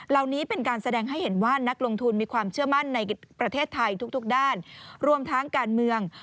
เหล่านี้เป็นการแสดงให้เห็นว่านักลงทุนมีความเชื่อมั่นในประเทศไทยทุกด้านรวมทั้งการเมือง